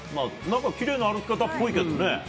なんかきれいな歩き方っぽいけどね。